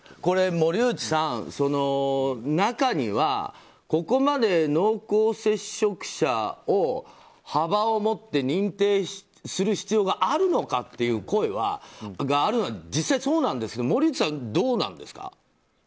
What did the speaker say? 森内さん、中にはここまで濃厚接触者を幅を持って認定する必要があるのかという声があるのは実際そうなんですが森内さん、どうなんですか？